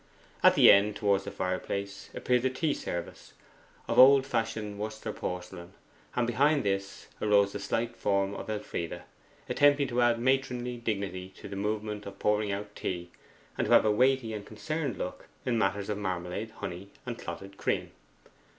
At the end, towards the fireplace, appeared the tea service, of old fashioned Worcester porcelain, and behind this arose the slight form of Elfride, attempting to add matronly dignity to the movement of pouring out tea, and to have a weighty and concerned look in matters of marmalade, honey, and clotted cream.